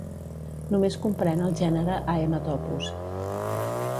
Només comprèn el gènere Haematopus.